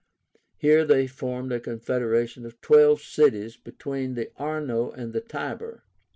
Here they formed a confederation of twelve cities between the Arno and the Tiber.